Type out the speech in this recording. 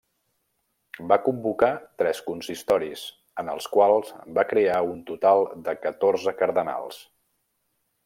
Va convocar tres consistoris, en els quals va crear un total de catorze cardenals.